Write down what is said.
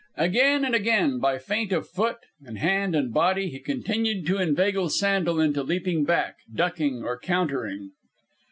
Again and again, by feint of foot and hand and body he continued to inveigle Sandel into leaping back, ducking, or countering.